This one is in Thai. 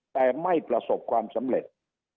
แต่ไม่ประสบความสำเร็จ